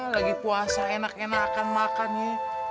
lagi puasa enak enakan makan nih